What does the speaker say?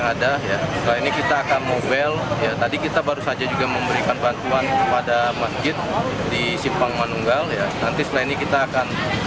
jadi hari ini kita laksanakan tempat pengungsian di kantor wanita